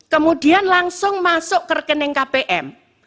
kemudian langsung masuk ke rekening kpm